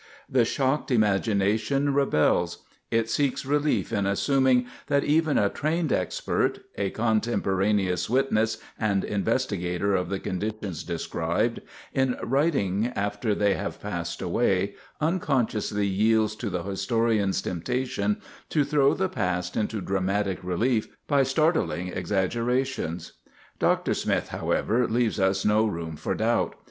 The shocked imagination rebels. It seeks relief in assuming that even a trained expert, a contemporaneous witness and investigator of the conditions described, in writing after they have passed away, unconsciously yields to the historian's temptation to throw the past into dramatic relief by starting exaggerations._ _Dr. Smith, however, leaves us no room for doubt.